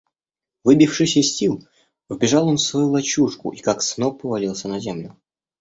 Выбившись из сил, вбежал он в свою лачужку и, как сноп, повалился на землю.